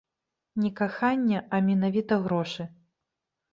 Не каханне, а менавіта грошы.